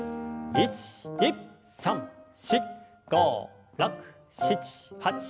１２３４５６７８。